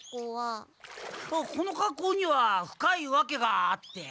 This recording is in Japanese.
あっこのかっこうには深いわけがあって。